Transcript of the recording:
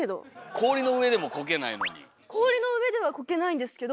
氷の上ではこけないんですけど。